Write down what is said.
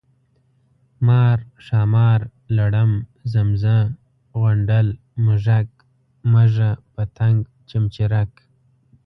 مار، ښامار ، لړم، زمزه، غونډل، منږک ، مږه، پتنګ ، چمچرک،